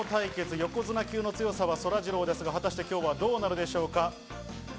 横綱級の強さはそらジローですが、今日はどうなるでしょうか？